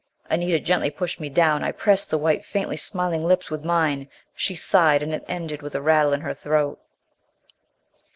Anita gently pushed me down. I pressed the white, faintly smiling lips with mine. She sighed, and it ended with a rattle in her throat.